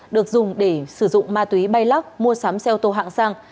được dùng để sử dụng ma túy bay lắc mua sắm xe ô tô hạng sang